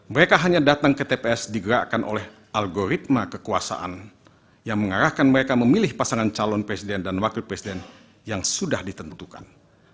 karena mereka hanya datang ke tps digerakkan oleh algoritma kekuasaan yang mengarahkan mereka memilih pasangan calon presiden dan wakil presiden yang berada di dalam